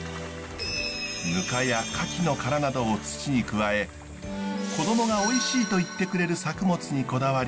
ぬかやカキの殻などを土に加え子どもがおいしいと言ってくれる作物にこだわり